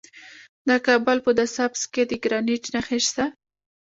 د کابل په ده سبز کې د ګرانیټ نښې شته.